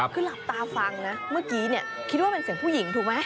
คือหลับตาฟังนะเมื่อกี้เนี่ยคิดว่าเป็นเสียงผู้หญิงถูกไหม